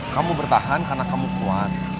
kamu bertahan karena kamu kuat